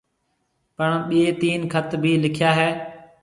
پڻ ٻي تين خط ڀِي لِکيآ هيَ۔